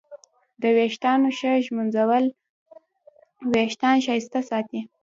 د ویښتانو ښه ږمنځول وېښتان ښایسته ساتي.